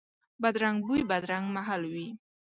بدرنګ بوی، بدرنګ محل وي